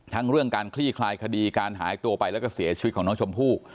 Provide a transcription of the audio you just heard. เรื่องการคลี่คลายคดีการหายตัวไปแล้วก็เสียชีวิตของน้องชมพู่